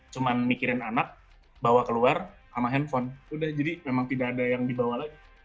cuma mikirin anak bawa keluar sama handphone udah jadi memang tidak ada yang dibawa lagi